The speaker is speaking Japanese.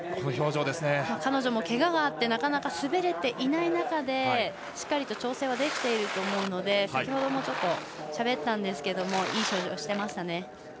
彼女も、けががあってなかなか滑れていない中でしっかり調整はできていると思うので先ほどもしゃべったんですけどいい表情してましたね。